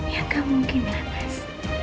yang kamu mungkin lepas